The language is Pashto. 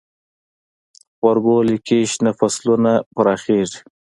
غبرګولی کې شنه فصلونه پراخیږي.